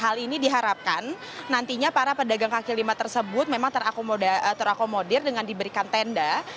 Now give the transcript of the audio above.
hal ini diharapkan nantinya para pedagang kaki lima tersebut memang terakomodir dengan diberikan tenda